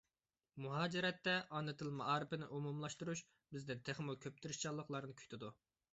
مۇھاجىرەتتە ئانا تىل مائارىپىنى ئومۇملاشتۇرۇش بىزدىن تېخىمۇ كۆپ تىرىشچانلىقلارنى كۈتىدۇ.